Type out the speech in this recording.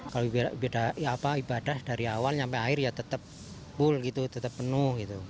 kalau beda ibadah dari awal sampai akhir ya tetap full gitu tetap penuh gitu